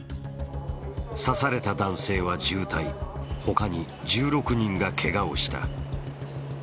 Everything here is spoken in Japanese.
刺された男性は重体、他に１６人がけがをした。